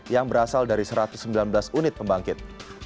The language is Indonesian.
yang berasal dari satu ratus sembilan belas unit pembangkit